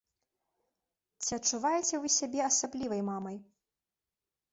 Ці адчуваеце вы сябе асаблівай мамай?